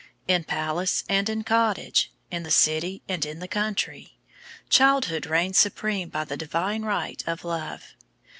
In palace and in cottage, in the city and in the country, childhood reigns supreme by the divine right of love.